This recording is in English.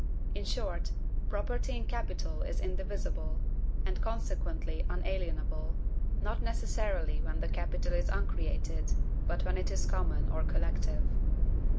In short, property in capital is indivisible, and consequently inalienable, not necessarily when the capital is UNCREATED, but when it is COMMON or COLLECTIVE.